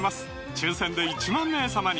抽選で１万名様に！